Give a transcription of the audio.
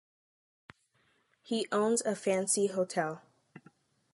He owns a fancy hotel.